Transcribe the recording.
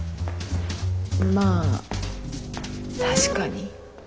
まあ確かに。